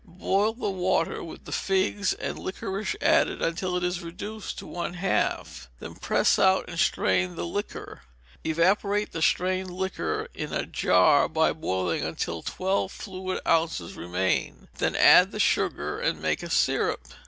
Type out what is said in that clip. Boil the water, with the figs and liquorice added, until it is reduced to one half; then press out and strain the liquor. Evaporate the strained liquor in a jar by boiling until twelve fluid ounces remain; then add the sugar, and make a syrup.